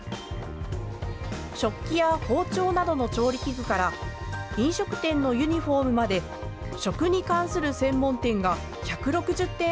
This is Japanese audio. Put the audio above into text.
食器や包丁などの調理器具から飲食店のユニフォームまで食に関する専門店が１６０店